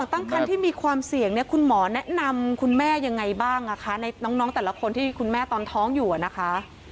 ตั้งคันที่มีความเสี่ยงเนี่ยคุณหมอแนะนำคุณแม่ยังไงบ้างคะในน้องแต่ละคนที่คุณแม่ตอนท้องอยู่นะคะ